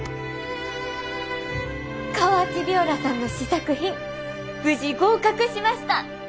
カワチ鋲螺さんの試作品無事合格しました！